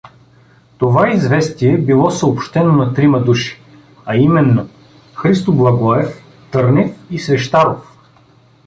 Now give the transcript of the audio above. Това известие било съобщено на трима души, а именно: Христо Благоев, Търнев и Свещаров.